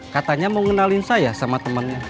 katanya mau ngenalin saya sama temannya